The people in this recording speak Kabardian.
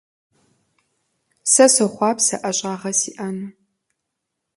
Сэ сохъуапсэ ӀэщӀагъэ сиӀэну.